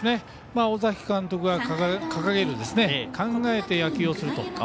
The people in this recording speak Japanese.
尾崎監督が掲げる考えて野球をすると。